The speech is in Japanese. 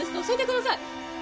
教えてください。